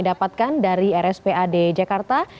dapatkan dari rspad jakarta